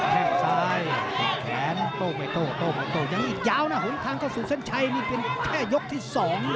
แค่งซ้ายแขนโต้ไม่โต้โต้ไม่โต้ยังอีกยาวนะหนทางเข้าสู่เส้นชัยนี่เป็นแค่ยกที่๒นะ